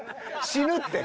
死ぬって。